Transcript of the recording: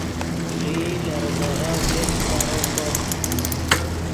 ݰیئی لے ریزغف جفت سارو ݰوت